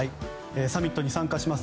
サミットに参加します